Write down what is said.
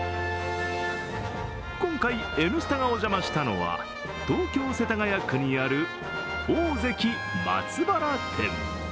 今回、「Ｎスタ」がお邪魔したのは東京・世田谷区にあるオオゼキ松原店。